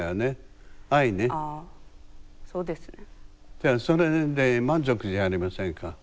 じゃあそれで満足じゃありませんか。